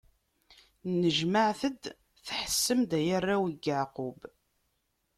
Nnejmaɛet-d, tḥessem-d, ay arraw n Yeɛqub!